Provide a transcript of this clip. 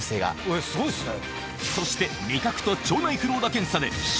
えっすごいっすね。